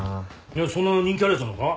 そんな人気あるやつなのか？